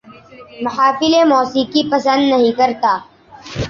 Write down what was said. محافل موسیقی پسند نہیں کرتا